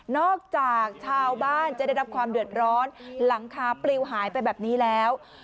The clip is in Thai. จากชาวบ้านจะได้รับความเดือดร้อนหลังคาปลิวหายไปแบบนี้แล้ว